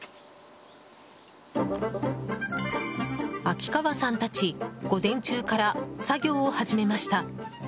秋川さんたち午前中から作業を始めました。